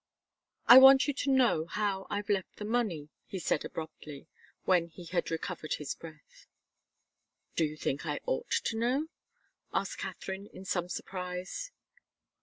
"I want you to know how I've left the money," he said abruptly, when he had recovered his breath. "Do you think I ought to know?" asked Katharine, in some surprise.